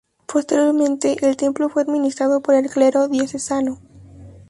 Posteriormente el templo fue administrado por el clero diocesano.